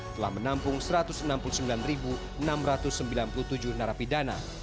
telah menampung satu ratus enam puluh sembilan enam ratus sembilan puluh tujuh narapidana